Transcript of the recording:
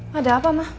gak ada apa ma